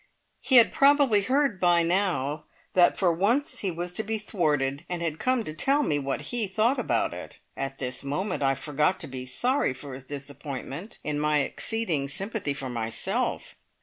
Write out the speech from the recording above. He had probably heard by now that for once he was to be thwarted, and had come to tell me what he thought about it. At this moment I forgot to be sorry for his disappointment in my exceeding sympathy for myself!